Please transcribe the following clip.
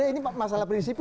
jadi ini masalah prinsipil